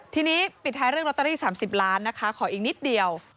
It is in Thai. ทีนี้ปิดท้ายเรื่องลอตเตอรี่๓๐ล้านนะคะขออีกนิดเดียว